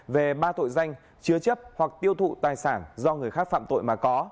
về ba tội danh chứa chấp hoặc tiêu thụ tài sản do người khác phạm tội mà có